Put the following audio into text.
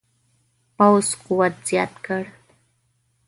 پوځ قوت زیات کړ.